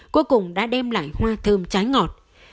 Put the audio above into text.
cuối cùng đã đem lại hoa thơm trái ngọt